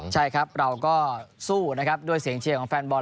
ใช่ครับเราก็สู้นะครับด้วยเสียงเชียร์ของแฟนบอล